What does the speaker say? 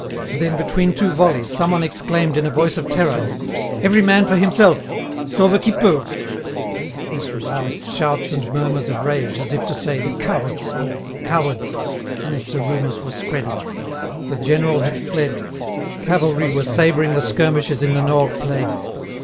Then, between two volleys some one exclaimed in a voice of terror: "Every man for himself! Sauve qui peut!" This roused shouts and murmurs of rage, as if to say, "The cowards! Oh! the cowards!" sinister rumours were spreading—the general had fled; cavalry were sabring the skirmishers in the Nores plain.